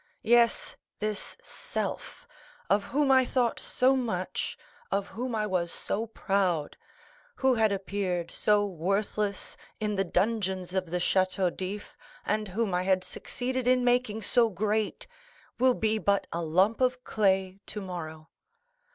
Yes, this self, of whom I thought so much, of whom I was so proud, who had appeared so worthless in the dungeons of the Château d'If, and whom I had succeeded in making so great, will be but a lump of clay tomorrow.